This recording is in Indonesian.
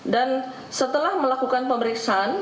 dan setelah melakukan pemeriksaan